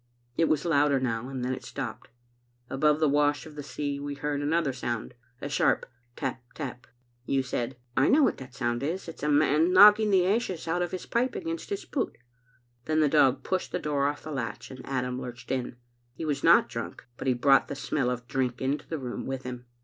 *" It was louder now, and then it stopped. Above the wash of the sea we heard another sound — a sharp tap, tap. You said, *I know what sound that is; it's a man knocking the ashes out of his pipe against his boot. * "Then the dog pushed the door off the latch, and Adam lurched in. He was not drunk, but he brought the smell of drink into the room with him.